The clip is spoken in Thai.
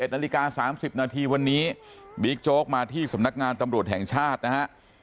๑นาฬิกา๓๐นาทีวันนี้บิ๊กโจ๊กมาที่สำนักงานตำรวจแห่งชาตินะฮะ